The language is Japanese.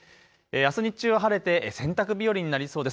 あす日中は晴れて洗濯日和になりそうです。